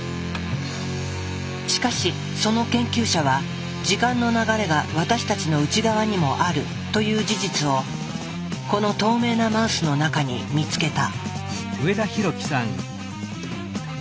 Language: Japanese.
しかしその研究者は時間の流れが私たちの内側にもあるという事実をこの透明なマウスの中に見つけた。